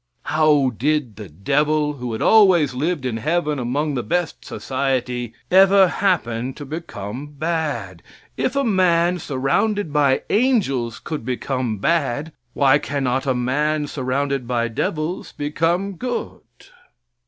How did the devil, who had always lived in heaven among the best society, ever happen to become bad? If a man surrounded by angels could become bad, why cannot a man surrounded by devils become good?